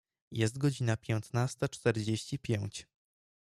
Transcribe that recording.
Jest godzina piętnasta czterdzieści pięć.